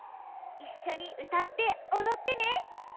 いっしょにうたっておどってね！